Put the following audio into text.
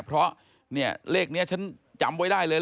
เพราะเนี่ยเลขนี้ฉันจำไว้ได้เลย